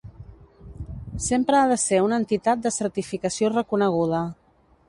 Sempre ha de ser una entitat de certificació reconeguda.